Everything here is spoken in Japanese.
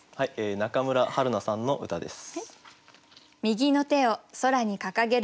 中村春奈さんの歌です。